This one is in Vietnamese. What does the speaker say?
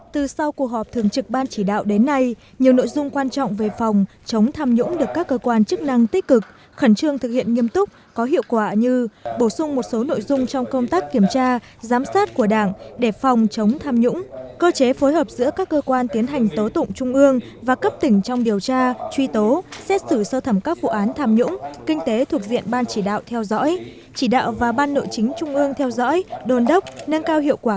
từ sau cuộc họp thường trực ban chỉ đạo đến nay nhiều nội dung quan trọng về phòng chống tham nhũng được các cơ quan chức năng tích cực khẩn trương thực hiện nghiêm túc có hiệu quả như bổ sung một số nội dung trong công tác kiểm tra giám sát của đảng để phòng chống tham nhũng cơ chế phối hợp giữa các cơ quan tiến hành tố tụng trung ương và cấp tỉnh trong điều tra truy tố xét xử sơ thẩm các vụ án tham nhũng kinh tế thuộc diện ban chỉ đạo theo dõi chỉ đạo và ban nội chính trung ương theo dõi đồn đốc nâng cao hiệu quả